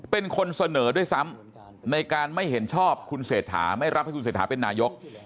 เป็นคนเสนอด้วยซ้ำในการไม่เห็นชอบคุณเศรษฐาไม่รับให้คุณเศรษฐาเป็นนายก